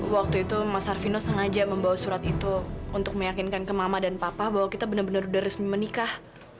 waktu itu mas harvino sengaja membawa surat itu untuk meyakinkan ke mama dan papa bahwa kita benar benar sudah resmi menikah